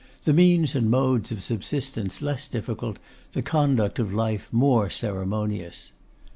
'The means and modes of subsistence less difficult; the conduct of life more ceremonious.